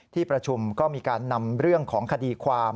ที่ประชุมก็มีการนำเรื่องของคดีความ